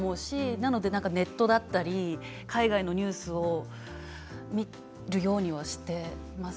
なのでネットだったり海外のニュースを見るようにはしています。